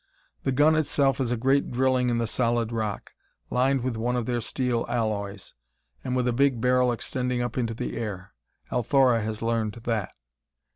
The gun itself is a great drilling in the solid rock, lined with one of their steel alloys, and with a big barrel extending up into the air: Althora has learned that.